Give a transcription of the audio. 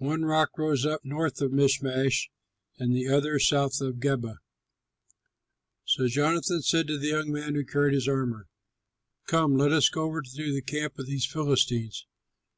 One rock rose up north of Michmash, and the other south of Geba. So Jonathan said to the young man who carried his armor, "Come, let us go over to the camp of these heathen Philistines.